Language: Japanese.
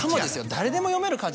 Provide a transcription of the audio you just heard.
誰でも読める漢字